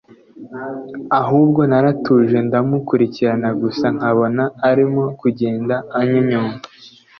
ahubwo naratuje ndamukurikira gusa nkabona arimo kugenda anyonyomba